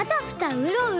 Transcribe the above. うろうろ！